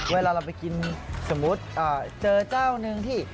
เวลาเราไปกินสมมุติเจอเจ้าหนึ่งที่